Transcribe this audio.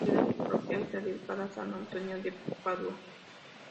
La iglesia parroquial está dedicada a san Antonio de Padua.